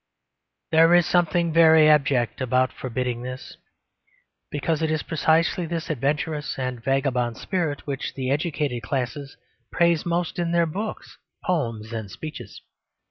There is something very abject about forbidding this; because it is precisely this adventurous and vagabond spirit which the educated classes praise most in their books, poems and speeches.